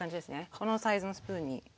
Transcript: このサイズのスプーンに軽盛り１杯。